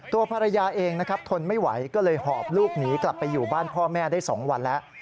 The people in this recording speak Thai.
ตัวภรรยาเองนะครับทนไม่ไหวก็เลยหอบลูกหนีกลับไปอยู่บ้านพ่อแม่ได้๒วันแล้ว